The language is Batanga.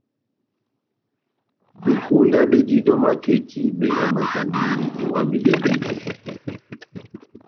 Bekonda bediyidi ó maketi benyamakandi iwamidɛ bwíto.